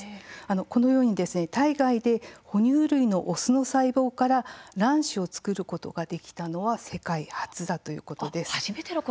このように体外で哺乳類のオスの細胞から卵子を作ることができたのは世界初だということです。